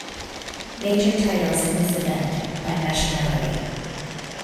Major titles in this event, by nationality.